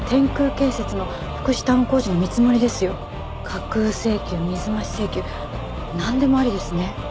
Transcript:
架空請求水増し請求なんでもありですね。